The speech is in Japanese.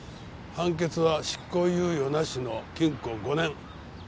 判決は執行猶予なしの禁錮５年。